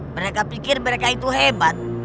mereka pikir mereka itu hebat